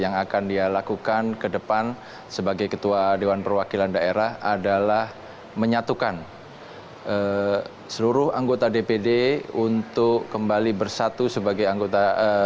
yang akan dia lakukan ke depan sebagai ketua dewan perwakilan daerah adalah menyatukan seluruh anggota dpd untuk kembali bersatu sebagai anggota